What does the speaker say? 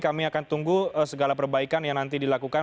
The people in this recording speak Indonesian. kami akan tunggu segala perbaikan yang nanti dilakukan